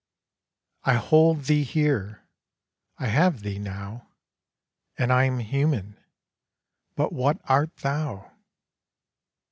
I hold thee here. I have thee, now, And I am human. But what art thou!'